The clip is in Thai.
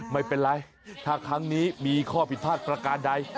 ไม่เป็นไรถ้าครั้งนี้มีข้อผิดพลาดประการใด